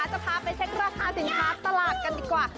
จะพาไปเช็คราคาสินค้าตลาดกันดีกว่า